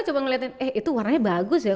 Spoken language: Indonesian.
coba ngeliatin eh itu warnanya bagus ya